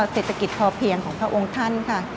เศรษฐกิจพอเพียงของพระองค์ท่านค่ะ